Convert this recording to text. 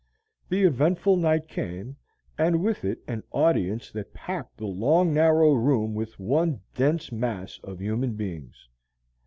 The eventful night came, and with it an audience that packed the long narrow room with one dense mass of human beings.